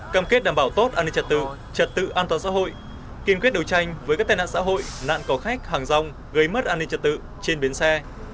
cam kết đảm bảo tốt an ninh trật tự trật tự an toàn xã hội kiên quyết đấu tranh với các tai nạn xã hội nạn có khách hàng rong gây mất an ninh trật tự trên bến xe